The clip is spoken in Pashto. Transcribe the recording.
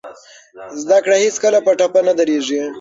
زده کړه هېڅکله په ټپه نه دریږي.